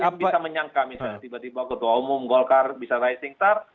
tidak pernah yang bisa menyangka misalnya tiba tiba ketua umum golkar bisa rising star